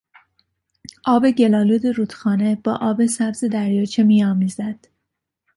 آب گل آلود رودخانه با آب سبز دریاچه می آمیزد.